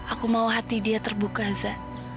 aku mau hati dia terbuka za